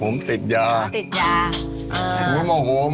อืมอืมอืมอืมอืมอืม